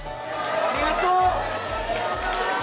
ありがとう。